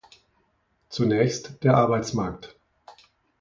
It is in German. Zunächst der Arbeitsmarkt.